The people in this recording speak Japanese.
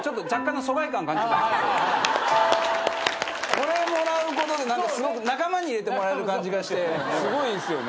これもらうことですごく仲間に入れてもらえる感じがしてすごいいいですよね。